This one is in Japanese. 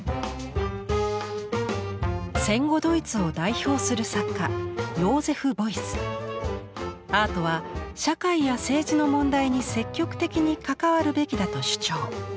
戦後ドイツを代表する作家アートは社会や政治の問題に積極的に関わるべきだと主張。